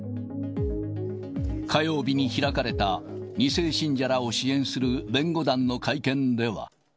火曜日に開かれた、２世信者らを支援する弁護団の会見では。